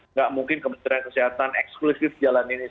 nggak mungkin kementerian kesehatan eksklusif jalan ini